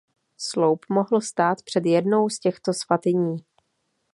Sloup mohl stát před jednou z těchto svatyní.